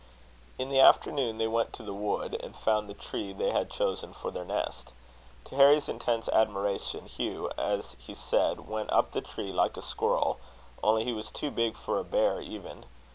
In the afternoon, they went to the wood, and found the tree they had chosen for their nest. To Harry's intense admiration, Hugh, as he said, went up the tree like a squirrel, only he was too big for a bear even.